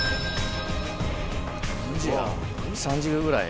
３０度ぐらい？